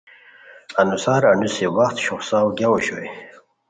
انوسار انوس وخت شوخڅاؤ گیاؤ اوشوئے